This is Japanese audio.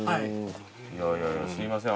いやいやいやすいません